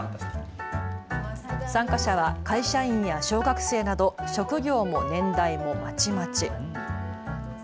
参加者は会社員や小学生など職業も年代もまちまち。